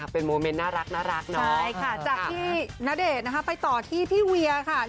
เป็นโมเมนต์น่ารักจากที่ณเดชน์ไปต่อที่พี่เวียค่ะ